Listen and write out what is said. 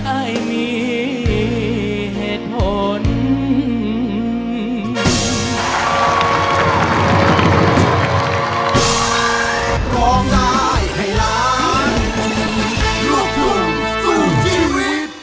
อายมีเหตุผล